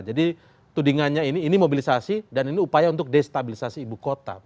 jadi tudingannya ini mobilisasi dan ini upaya untuk destabilisasi ibu kota